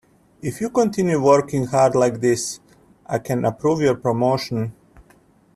If you continue working hard like this, I can approve your promotion.